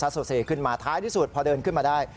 โซซัทซถิเสชี์ขึ้นมาท้ายที่สุดพอเริ่มขึ้นมาได้